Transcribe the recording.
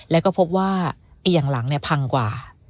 แล้วก็พบว่าเอี่ยงหลังพังกว่า